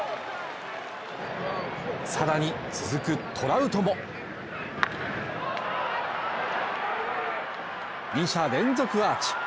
さらに、続くトラウトも２者連続アーチ。